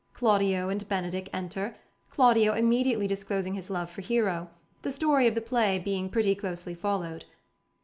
Claudio and Benedick enter, Claudio immediately disclosing his love for Hero, the story of the play being pretty closely followed.